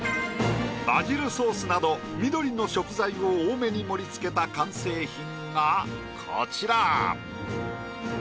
バジルソースなど緑の食材を多めに盛りつけた完成品がこちら。